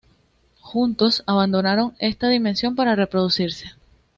Juntos, abandonaron esta dimensión para reproducirse.